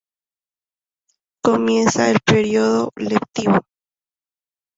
Comienza el período lectivo.